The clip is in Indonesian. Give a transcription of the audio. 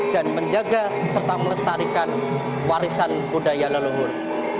dan menjaga serta melestarikan warisan budaya leluhur